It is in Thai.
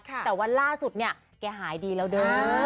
แต่วันล่าสุดเนี่ยแกหายดีแล้วเด้อ